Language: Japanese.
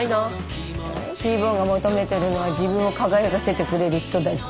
ヒー坊が求めてるのは自分を輝かせてくれる人だっけ？